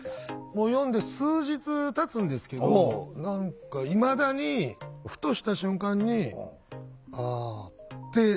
もう読んで数日たつんですけど何かいまだにふとした瞬間に「ああ」ってなってしまう。